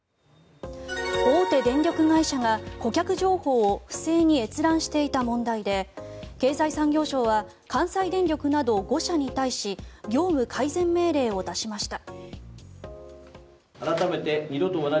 大手電力会社が顧客情報を不正に閲覧していた問題で経済産業省は関西電力など５社に対し業務改善命令を出しました。